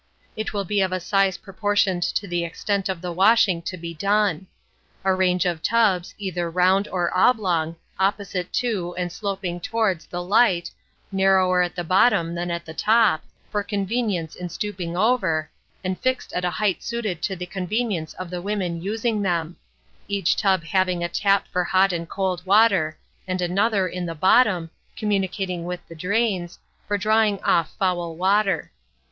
It will be of a size proportioned to the extent of the washing to be done. A range of tubs, either round or oblong, opposite to, and sloping towards, the light, narrower at the bottom than the top, for convenience in stooping over, and fixed at a height suited to the convenience of the women using them; each tub having a tap for hot and cold water, and another in the bottom, communicating with the drains, for drawing off foul water.